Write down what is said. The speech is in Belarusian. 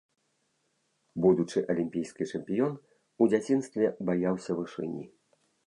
Будучы алімпійскі чэмпіён у дзяцінстве баяўся вышыні.